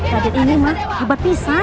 raden ini mah hebat pisan